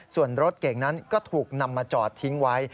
ส่วนรถเก่งนั้นก็ถูกนำมาจอดทิ้งไว้